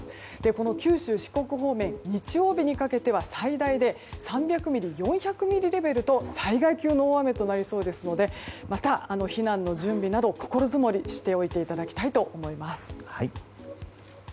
この九州・四国方面日曜日にかけては最大で３００ミリ４００ミリレベルと災害級の大雨となりそうですので避難の準備など心づもりしておいていただきたいと思います。